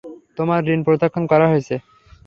তোমার ঋণ প্রত্যাখ্যান করা হয়েছে।